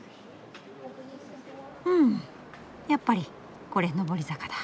うんやっぱりこれ上り坂だ。